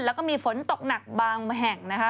แล้วก็มีฝนตกหนักบางแห่งนะคะ